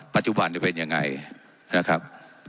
ปัจจุบันเป็นยังไงนะครับ